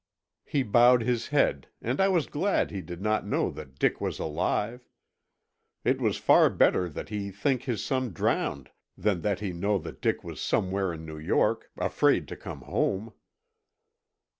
He bowed his head and I was glad he did not know that Dick was alive. It was far better that he think his son drowned than that he know that Dick was somewhere in New York, afraid to come home.